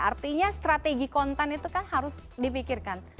artinya strategi konten itu kan harus dipikirkan